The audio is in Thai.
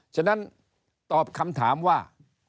ฉะนั้นตอบคำถามว่า